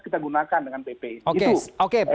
kita gunakan dengan pp ini